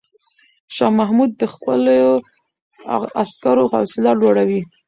شاه محمود د خپلو عسکرو حوصله لوړوي.